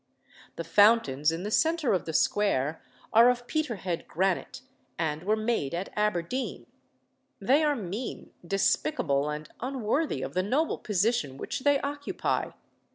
The fountains in the centre of the Square are of Peterhead granite, and were made at Aberdeen. They are mean, despicable, and unworthy of the noble position which they occupy.